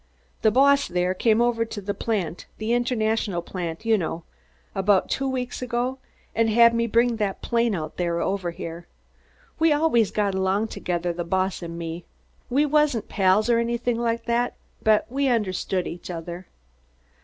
"The boss there come over to the plant the International plant, you know about two weeks ago and had me bring that plane out there over here. We always got along together, the boss and me. Wasn't pals or anything like that, but we understood each other.